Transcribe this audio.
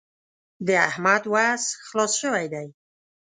د احمد وس خلاص شوی دی.